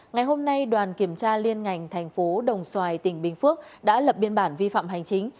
ngày hôm nay đoàn kiểm tra liên ngành thành phố đồng xoài tỉnh bình phước đã lập biên bản vi phạm hành chính